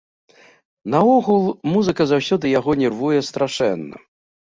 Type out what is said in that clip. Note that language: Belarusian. Наогул, музыка заўсёды яго нервуе страшэнна.